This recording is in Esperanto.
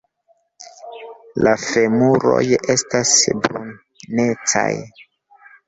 La femuroj estas brunecaj.